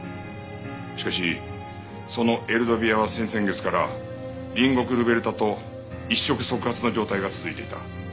しかしそのエルドビアは先々月から隣国ルベルタと一触即発の状態が続いていた。